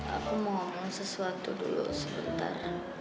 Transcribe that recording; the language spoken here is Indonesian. aku mau ngomong sesuatu dulu sebentar